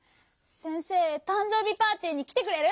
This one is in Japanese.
先生たんじょうびパーティーにきてくれる？